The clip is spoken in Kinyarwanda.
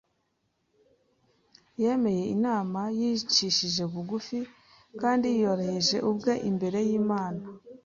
Yemeye inama yicishije bugufi, kandi yiyoroheje ubwe imbere y’Imana.